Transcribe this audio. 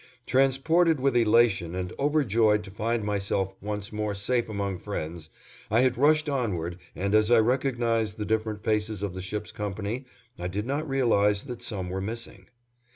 Transported with elation and overjoyed to find myself once more safe among friends, I had rushed onward and as I recognized the different faces of the ship's company, I did not realize that some were missing.